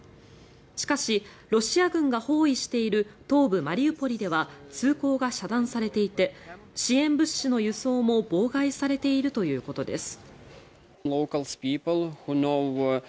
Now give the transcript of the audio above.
しかし、ロシア軍が包囲している東部マリウポリでは通行が遮断されていて支援物資の輸送も妨害されているということです。